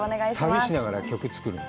旅しながら曲作るの？